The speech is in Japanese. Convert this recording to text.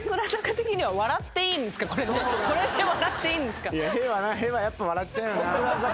これで笑っていいんですか？